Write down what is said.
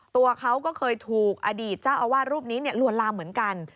ตัวเขาก็เคยถูกอดีตเจ้าอาวาสรูปนี้ลวนลามเหมือนกัน